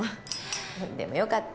でもよかった。